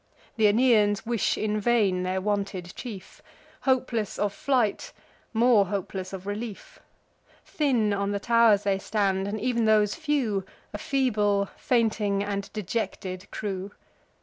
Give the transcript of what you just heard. Th' Aeneans wish in vain their wanted chief, Hopeless of flight, more hopeless of relief. Thin on the tow'rs they stand; and ev'n those few A feeble, fainting, and dejected crew.